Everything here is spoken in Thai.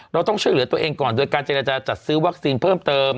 เราต้องช่วยเหลือตัวเองก่อนโดยการเจรจาจัดซื้อวัคซีนเพิ่มเติม